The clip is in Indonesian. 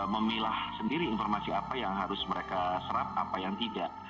memilah sendiri informasi apa yang harus mereka serap apa yang tidak